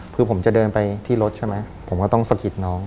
คือผมจะเดินไปที่รถใช่ไหมผมก็ต้องสะกิดน้อง